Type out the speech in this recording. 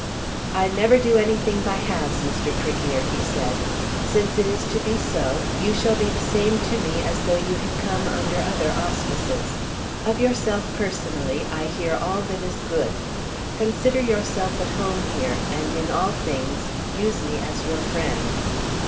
"I never do anything by halves, Mr. Tregear," he said. "Since it is to be so you shall be the same to me as though you had come under other auspices. Of yourself personally I hear all that is good. Consider yourself at home here, and in all things use me as your friend."